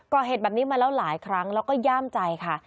ก่อเหตุแบบนี้มาแล้วหลายครั้งแล้วก็ย่ามใจค่ะ